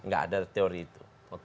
gak ada teori itu